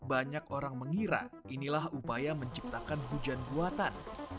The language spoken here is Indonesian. banyak orang mengira inilah upaya menciptakan hujan buatan